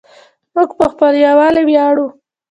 موږ په خپل یووالي ویاړو.